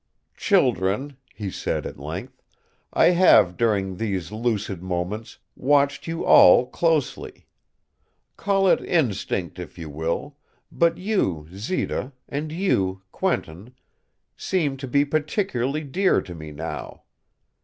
"Children," he said, at length, "I have, during these lucid moments, watched you all closely. Call it instinct if you will, but you, Zita, and you, Quentin, seem to be particularly dear to me now.